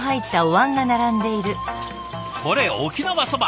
これ沖縄そば！